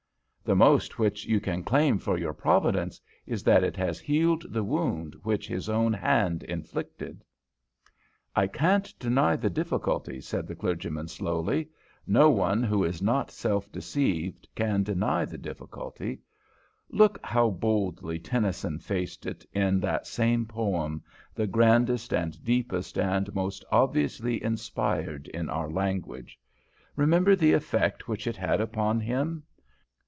The most which you can claim for your Providence is that it has healed the wound which its own hand inflicted." "I don't deny the difficulty," said the clergyman, slowly; "no one who is not self deceived can deny the difficulty. Look how boldly Tennyson faced it in that same poem, the grandest and deepest and most obviously inspired in our language. Remember the effect which it had upon him.